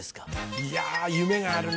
いや夢があるね。